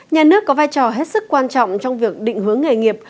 nhà nước có vai trò hết sức quan trọng trong việc định hướng nghề nghiệp